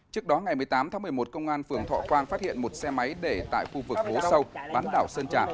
trước đó ngày một mươi tám tháng một mươi một công an phường thọ quang phát hiện một xe máy để tại khu vực hố sâu bán đảo sơn trà